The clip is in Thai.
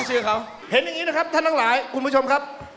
เชื่อเขาเห็นอย่างนี้นะครับท่านทั้งหลายคุณผู้ชมครับ